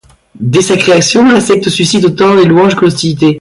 Dès sa création, la secte suscite autant les louanges que l'hostilité.